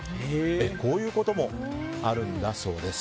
こういうこともあるんだそうです。